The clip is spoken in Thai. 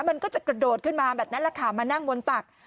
มันก็จะกระโดดขึ้นมาแบบนั้นแหละค่ะมานั่งบนตัก